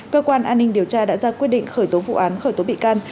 cơ quan an ninh điều tra đã ra quyết định khởi tố vụ án khởi tố bị can